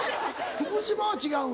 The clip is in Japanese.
福島は違う。